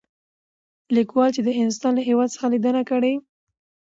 ليکوال چې د هندوستان له هـيواد څخه ليدنه کړى.